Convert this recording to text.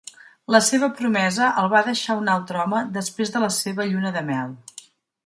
La seva promesa el va deixar un altre home després de la seva lluna de mel.